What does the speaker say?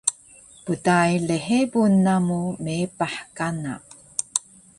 pdai lhebun namu meepah kana